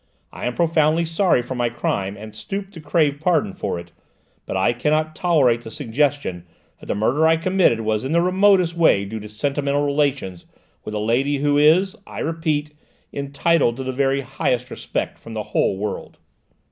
I am profoundly sorry for my crime and stoop to crave pardon for it; but I cannot tolerate the suggestion that the murder I committed was in the remotest way due to sentimental relations with a lady who is, I repeat, entitled to the very highest respect from the whole world."